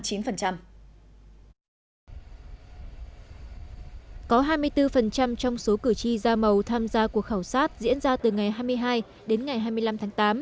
có hai mươi bốn trong số cử tri da màu tham gia cuộc khảo sát diễn ra từ ngày hai mươi hai đến ngày hai mươi năm tháng tám